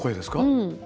うん。